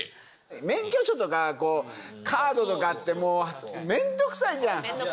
免許証とか、カードとかってもう、めんどくさいじゃん。